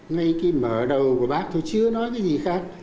ngay cái mở đầu của bác thôi chưa nói cái gì khác